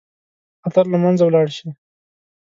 خطر له منځه ولاړ شي.